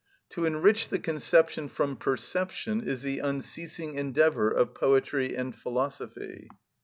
To enrich the conception from perception is the unceasing endeavour of poetry and philosophy.